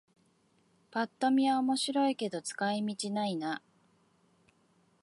ぱっと見は面白いけど使い道ないな